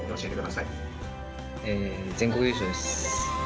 全国優勝です。